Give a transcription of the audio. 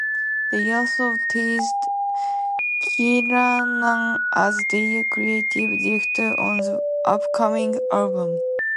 They also teased Kiernan as their creative director on the upcoming album.